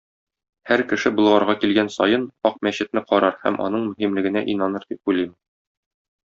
Һәр кеше Болгарга килгән саен, Ак мәчетне карар һәм аның мөһимлегенә инаныр дип уйлыйм.